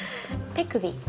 手首。